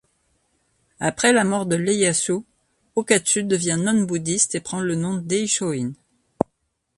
Après la mort de Ieyasu, Okatsu devient nonne bouddhiste et prend le nom d'Eishoin.